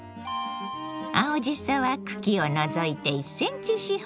青じそは茎を除いて１センチ四方。